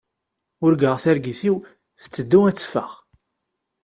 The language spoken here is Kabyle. Urgaɣ targit-iw tetteddu ad teffeɣ.